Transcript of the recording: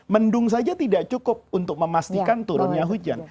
mendung saja tidak cukup untuk memastikan turunnya hujan